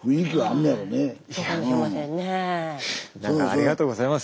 ありがとうございます。